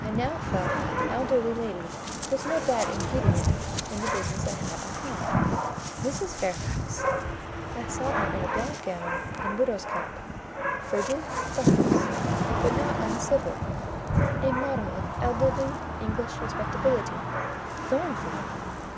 I now felt that an elderly lady was no bad ingredient in the business I had on hand. Mrs. Fairfax! I saw her in a black gown and widow's cap; frigid, perhaps, but not uncivil: a model of elderly English respectability. Thornfield!